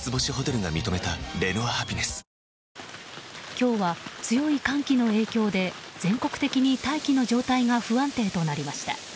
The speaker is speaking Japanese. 今日は強い寒気の影響で全国的に大気の状態が不安定となりました。